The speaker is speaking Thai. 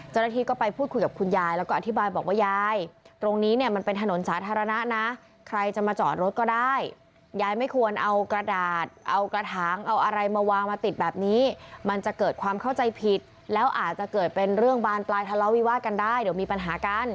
เจ้าหน้าที่ก็ไปพูดคุยกับคุณยายแล้วก็อธิบายบอกว่ายายตรงนี้เนี่ยมันเป็นถนนสาธารณะนะใครจะมาจอดรถก็ได้ยายไม่ควรเอากระดาษเอากระถางเอาอะไรมาวางมาติดแบบนี้มันจะเกิดความเข้าใจผิดแล้วอาจจะเกิดเป็นเรื่องบานปลายทะเลาวิวาสกันได้เดี๋ยวมีปัญหากัน